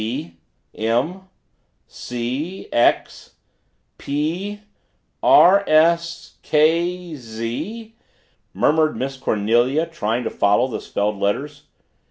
"B M C X P R S K Z " murmured Miss Cornelia trying to follow the spelled letters.